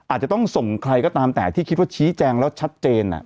อาจจะต้องส่งใครก็ตามแต่ที่คิดว่าชี้แจงแล้วชัดเจน